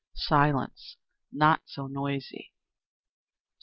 _ Silence! Not so noisy!"